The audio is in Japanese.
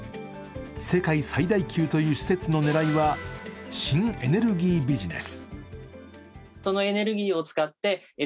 世界最大級という施設の狙いは新エネルギービジネス。